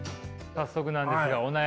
早速なんですがお悩みを。